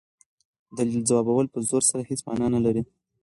دلیل ځوابول په زور سره هيڅ مانا نه لري.